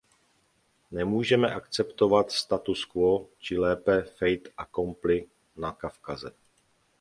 Nemůžeme akceptovat status quo, či lépe fait accompli na Kavkaze.